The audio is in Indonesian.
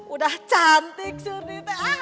udah cantik surti